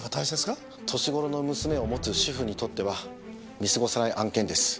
年頃の娘を持つ主夫にとっては見過ごせない案件です。